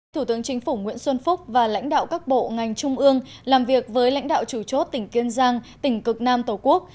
thủ tướng chính phủ nguyễn xuân phúc và lãnh đạo các bộ ngành trung ương làm việc với lãnh đạo chủ chốt tỉnh kiên giang tỉnh cực nam tổ quốc